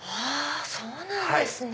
そうなんですね。